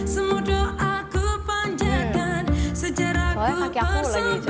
soalnya pakai aku lagi